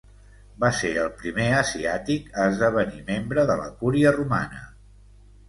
Va ser el primer asiàtic a esdevenir membre de la Cúria Romana.